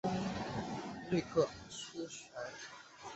瑞克叙埃。